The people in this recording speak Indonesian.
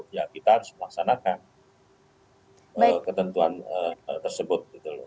ya kita harus melaksanakan ketentuan tersebut